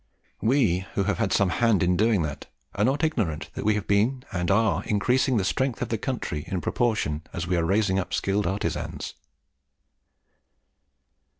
We who have some hand in doing that, are not ignorant that we have been and are increasing the strength of the country in proportion as we are raising up skilled artisans."